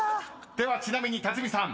［ではちなみに辰巳さん］